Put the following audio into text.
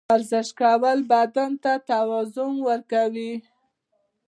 ورزش کول بدن ته توازن ورکوي.